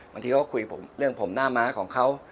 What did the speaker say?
บางทีเขาคุยผมเรื่องผมหน้าม้าของเขา